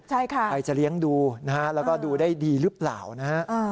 ใครจะเลี้ยงดูนะฮะแล้วก็ดูได้ดีรึเปล่านะฮะ